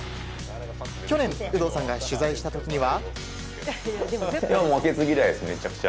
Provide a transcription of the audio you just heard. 去年有働さんが取材した時には。